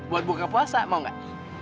buat buka puasa mau gak